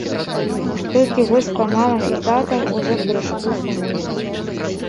Толькі вось па мамам і татам ужо крышку сумуюць.